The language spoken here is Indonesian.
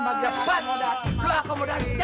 muda koncak kosong